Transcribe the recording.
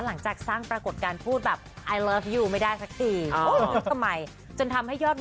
หลังจากสร้างปรากฏการณ์พูดแบบ